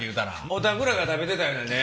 おたくらが食べてたようなね。